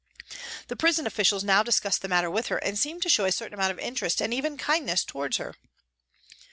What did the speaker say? The prison officials now discussed the matter with her and seemed to show a certain amount of interest and even kindness towards her.